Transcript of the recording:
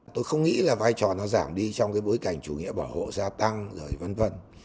tôi không nghĩ là vai trò nó giảm đi trong cái bối cảnh chủ nghĩa bảo hộ gia tăng rồi v v